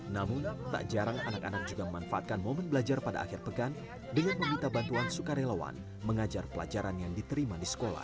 namun tak jarang anak anak juga memanfaatkan momen belajar pada akhir pekan dengan meminta bantuan sukarelawan mengajar pelajaran yang diterima di sekolah